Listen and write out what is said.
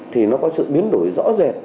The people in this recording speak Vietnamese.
thì nó có sự biến đổi rõ rệt